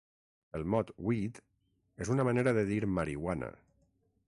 El mot ‘weed’ és una manera de dir ‘marihuana’.